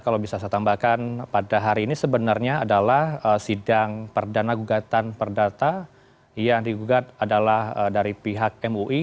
kalau bisa saya tambahkan pada hari ini sebenarnya adalah sidang perdana gugatan perdata yang digugat adalah dari pihak mui